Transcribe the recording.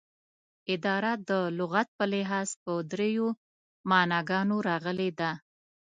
اداره دلغت په لحاظ په دریو معناګانو راغلې ده